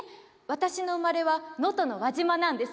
私の生まれは能登の輪島なんです。